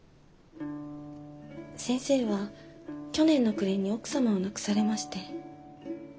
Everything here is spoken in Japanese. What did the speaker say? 先生は去年の暮れに奥様を亡くされまして。